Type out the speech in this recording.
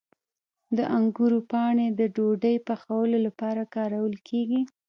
د انګورو پاڼې د ډوډۍ پخولو لپاره کارول کیږي.